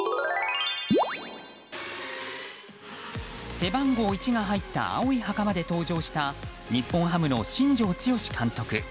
背番号１が入った青いはかまで登場した日本ハムの新庄剛志監督。